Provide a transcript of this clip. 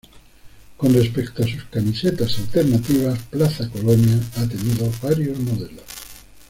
Con respecto a sus camisetas alternativas, Plaza Colonia ha tenido varios modelos.